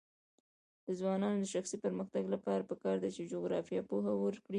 د ځوانانو د شخصي پرمختګ لپاره پکار ده چې جغرافیه پوهه ورکړي.